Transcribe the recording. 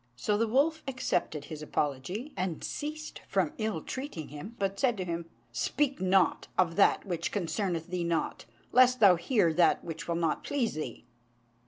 So the wolf accepted his apology, and ceased from ill treating him, but said to him, "Speak not of that which concerneth thee not, lest thou hear that which will not please thee."